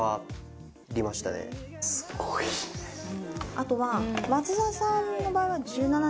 あとは。